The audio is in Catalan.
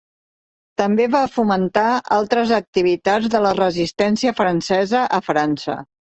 També va fomentar altres activitats de la resistència francesa a França.